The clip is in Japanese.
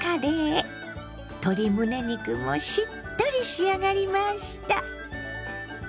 鶏むね肉もしっとり仕上がりました。